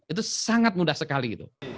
itu sangat mudah sekali